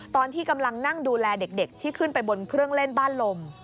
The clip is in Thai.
ตอนที่กำลังนั่งดูแลเด็กที่ขึ้นไปบนเครื่องเล่นบ้านลม